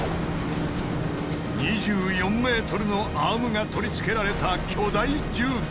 ２４ｍのアームが取り付けられた巨大重機。